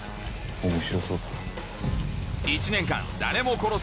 面白そうだな。